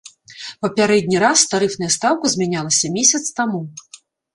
Папярэдні раз тарыфная стаўка змянялася месяц таму.